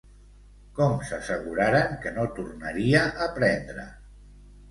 Com s'asseguraren que no tornaria a prendre?